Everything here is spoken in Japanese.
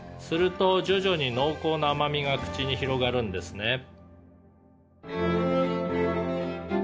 「すると徐々に濃厚な甘味が口に広がるんですね」